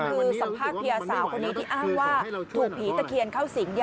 คือสัมภาษณ์เพียร์สาวคนนี้ที่อ้างว่าถูกผีตะเคียนเข้าสิง